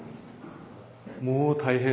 もう大変！